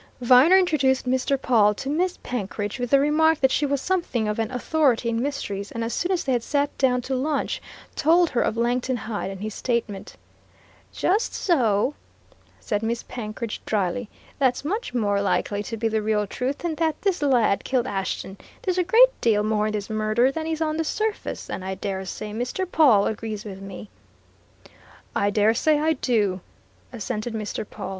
Viner introduced Mr. Pawle to Miss Penkridge with the remark that she was something of an authority in mysteries, and as soon as they had sat down to lunch, told her of Langton Hyde and his statement. "Just so!" said Miss Penkridge dryly. "That's much more likely to be the real truth than that this lad killed Ashton. There's a great deal more in this murder than is on the surface, and I dare say Mr. Pawle agrees with me." "I dare say I do," assented Mr. Pawle.